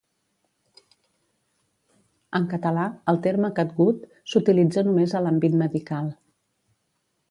En català, el terme catgut s'utilitza només a l'àmbit medical.